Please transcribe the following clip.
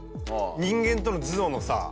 人間との頭脳の差。